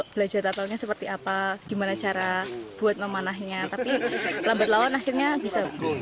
belajar tatalnya seperti apa gimana cara buat memanahnya tapi lambat lawan akhirnya bisa